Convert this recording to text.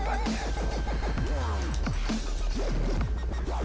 gue tau semuanya